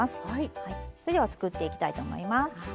それでは作っていきたいと思います。